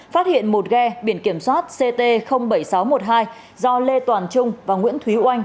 phát hiện một ghe biển kiểm soát ct bảy nghìn sáu trăm một mươi hai do lê toàn trung và nguyễn thúy oanh